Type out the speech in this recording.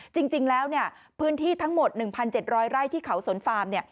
จริงแล้วพื้นที่ทั้งหมด๑๗๐๐ไร่ที่เขาสนฟาร์ม